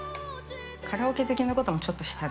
カラオケ的なこともちょっとしたね。